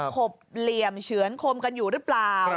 บเหลี่ยมเฉือนคมกันอยู่หรือเปล่า